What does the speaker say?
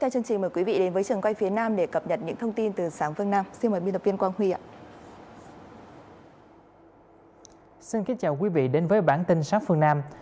xin kính chào quý vị đến với bản tin sáng phương nam